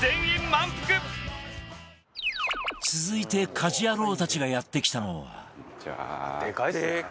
続いて家事ヤロウたちがやって来たのは